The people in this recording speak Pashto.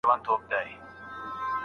آیا نوی کالی تر زوړ کالي پاک دی؟